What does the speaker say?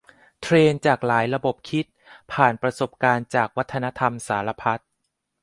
เทรนจากหลากระบบคิด ผ่านประสบการณ์จากวัฒนธรรมสารพัด